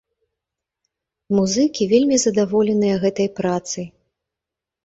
Музыкі вельмі задаволеныя гэтай працай.